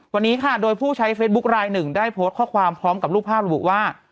วันนี้ค่ะโดยผู้ใช้เฟซบุ๊คลายหนึ่งได้โพสต์ข้อความพร้อมกับรูปภาพระบุว่า